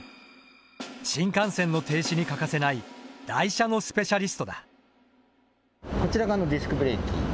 新幹線の停止に欠かせない台車のスペシャリストだ。